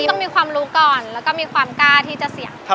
ต้องมีความรู้ก่อนแล้วก็มีความกล้าที่จะเสี่ยง